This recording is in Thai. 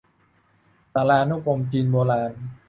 สารานุกรมจีนโบราณ